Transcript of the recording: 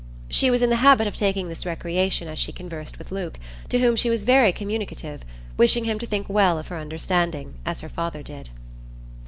She was in the habit of taking this recreation as she conversed with Luke, to whom she was very communicative, wishing him to think well of her understanding, as her father did.